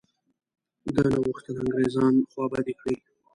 ده نه غوښتل انګرېزان خوابدي کړي.